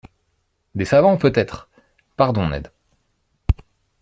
Des savants, peut-être ! —Pardon, Ned.